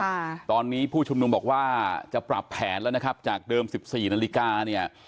ค่ะตอนนี้ผู้ชุมนุมบอกว่าจะปรับแผนแล้วนะครับจากเดิมสิบสี่นาฬิกาเนี่ย